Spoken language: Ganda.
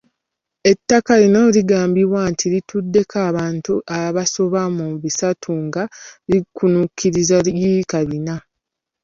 Ettaka lino kigambibwa lituddeko abantu abasoba mu bisatu nga likunukkiriza yiika bina.